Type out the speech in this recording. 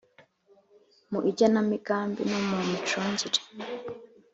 mu igenamigambi no mu micungire